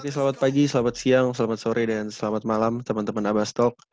oke selamat pagi selamat siang selamat sore dan selamat malam temen temen abastalk